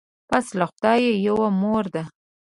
پس له خدایه یوه مور ده